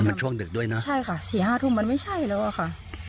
มันช่วงดึกด้วยนะใช่ค่ะ๔๕ทุ่มมันไม่ใช่แล้วอะค่ะ